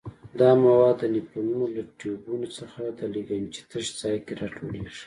دا مواد د نفرونونو له ټیوبونو څخه د لګنچې تش ځای کې را ټولېږي.